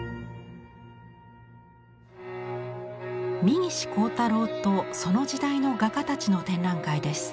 三岸好太郎とその時代の画家たちの展覧会です。